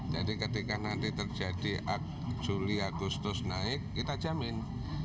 ketika nanti terjadi juli agustus naik kita jamin